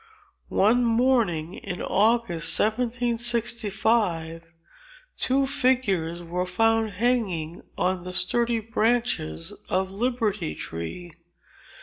"One morning in August, 1765, two figures were found hanging on the sturdy branches of Liberty Tree.